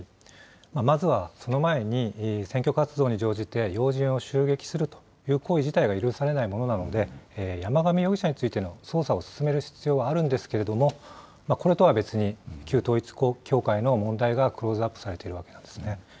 まずはその前に、選挙活動に乗じて要人を襲撃するという行為自体が許されないものなので、山上容疑者についての捜査を進める必要はあるんですけれども、これとは別に、旧統一教会の問題がクローズアップされているわけなんですね。